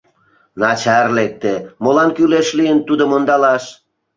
Начар лекте, молан кӱлеш лийын тудым ондалаш?..